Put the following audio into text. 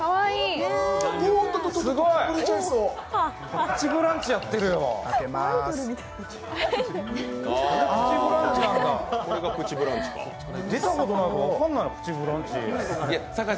これが「プチブランチ」か。